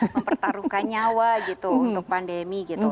mempertaruhkan nyawa gitu untuk pandemi gitu